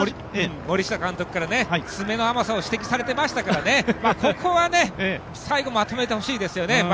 森下監督から詰めの甘さを指摘されてましたからここは最後まとめてほしいですよね。